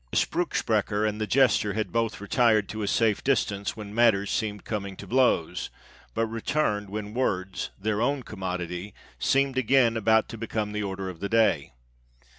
The spruch sprecher and the jester had both retired to a safe distance when matters seemed coming to blows, but returned when words, their own commodity, seemed again about to become the order of the day.